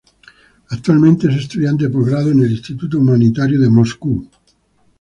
Actualmente es estudiante de postgrado en el Instituto Humanitario de Moscú.